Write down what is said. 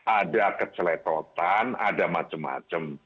ada keceletotan ada macem macem